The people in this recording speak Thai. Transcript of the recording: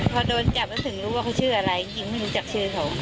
พอโดนจับแล้วถึงรู้ว่าเขาชื่ออะไรยิงไม่รู้จักชื่อเขา